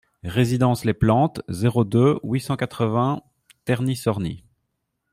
Résidence Les Plantes, zéro deux, huit cent quatre-vingts Terny-Sorny